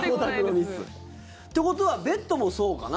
ってことはベッドもそうかな？